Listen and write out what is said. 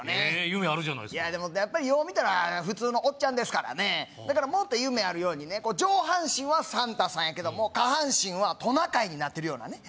夢あるじゃないですかいやでもやっぱりよう見たら普通のオッチャンですからねだからもっと夢あるようにね上半身はサンタさんやけども下半身はトナカイになってるようなね